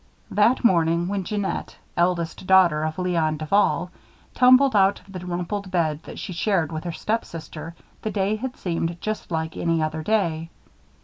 That morning when Jeannette, eldest daughter of Léon Duval, tumbled out of the rumpled bed that she shared with her stepsister, the day had seemed just like any other day.